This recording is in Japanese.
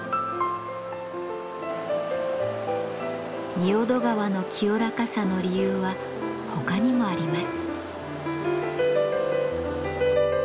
仁淀川の清らかさの理由は他にもあります。